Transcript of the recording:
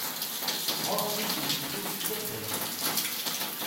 Ɣur-k yiwet n tektubt d tadalt.